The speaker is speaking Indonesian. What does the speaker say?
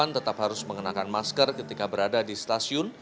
tetap harus mengenakan masker ketika berada di stasiun